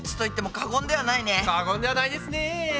過言ではないですね。